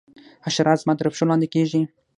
حشرات زما تر پښو لاندي کیږي.